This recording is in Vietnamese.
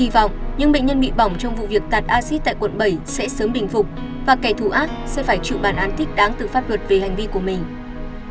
hy vọng những bệnh nhân bị bỏng trong vụ việc tạt acid tại quận bảy sẽ sớm bình phục và kẻ thù ác sẽ phải chịu bản án thích đáng từ pháp luật về hành vi của mình